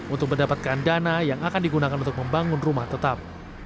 untuk mendapatkan dana yang akan digunakan untuk membangun rumah tetap